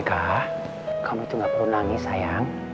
nek ah kamu itu nggak perlu nangis sayang